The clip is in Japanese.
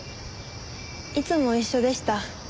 いつも一緒でした。